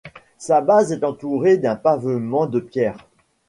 Sa base est entourée d'un pavement de pierre.